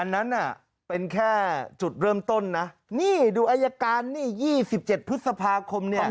นั้นน่ะเป็นแค่จุดเริ่มต้นนะนี่ดูอายการนี่๒๗พฤษภาคมเนี่ย